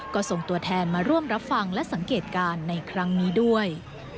ก็ส่งตัวแทนมาร่วมรับฟังและสังเกตการณ์ในครั้งนี้ด้วย